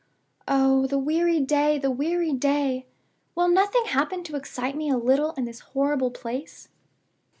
Oh, the weary day! the weary day! Will nothing happen to excite me a little in this horrible place?"